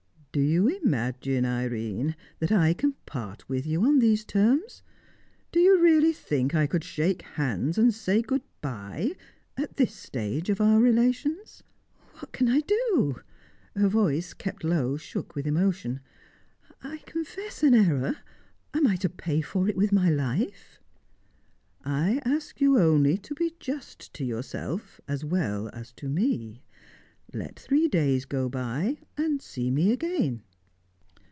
"Do you imagine, Irene, that I can part with you on these terms? Do you really think I could shake hands, and say good bye, at this stage of our relations?" "What can I do?" Her voice, kept low, shook with emotion. "I confess an error am I to pay for it with my life?" "I ask you only to be just to yourself as well as to me. Let three days go by, and see me again."